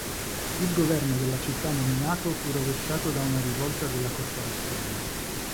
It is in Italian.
Il governo della città nominato fu rovesciato da una rivolta della corporazione.